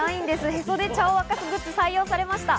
「へそで茶を沸かす」、採用されました。